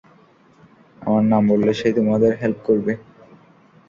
আমার নাম বললে সে তোমাদের হেল্প করবে।